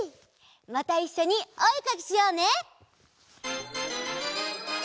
またいっしょにおえかきしようね！